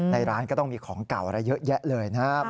ร้านก็ต้องมีของเก่าอะไรเยอะแยะเลยนะครับ